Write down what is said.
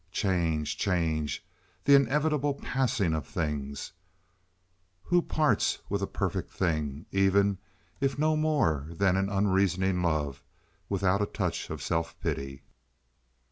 Change! Change! the inevitable passing of things! Who parts with a perfect thing, even if no more than an unreasoning love, without a touch of self pity?